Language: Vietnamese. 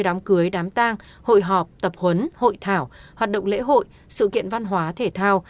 đám cưới đám tang hội họp tập huấn hội thảo hoạt động lễ hội sự kiện văn hóa thể thao